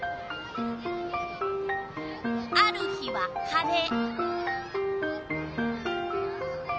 ある日は晴れ。